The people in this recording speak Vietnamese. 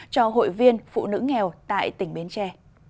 cho hội viên phụ nữ nghèo tại tỉnh bến tre